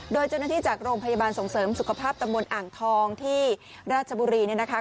โดยเจ้าหน้าที่จากโรงพยาบาลส่งเสริมสุขภาพตำบลอ่างทองที่ราชบุรีเนี่ยนะคะ